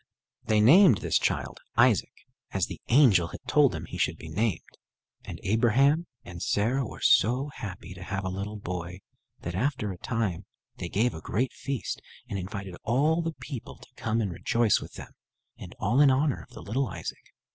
They named this child Isaac, as the angel had told them he should be named. And Abraham and Sarah were so happy to have a little boy, that after a time they gave a great feast and invited all the people to come and rejoice with them, and all in honor of the little Isaac.